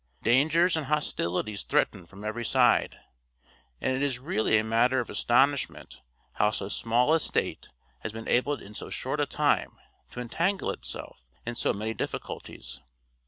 Dangers and hostilities threaten from every side, and it is really a matter of astonishment how so small a State has been able in so short a time to entangle itself in so many difficulties.